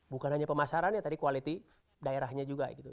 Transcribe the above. bukan hanya pemasaran ya tadi quality daerahnya juga gitu